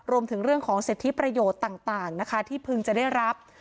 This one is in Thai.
รวมถึงเรื่องของสิทธิประโยชน์ต่างนะคะที่พึงจะได้รับ